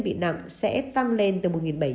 bị nặng sẽ tăng lên từ một bảy trăm linh